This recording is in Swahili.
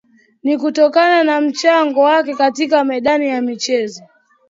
Ni kutokana na mchango wake katika medani ya michezo